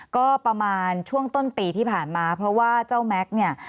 ก็ประมาณช่วงต้นปีที่ผ่านมาเพราะว่าเจ้าแม็กซ์เนี่ย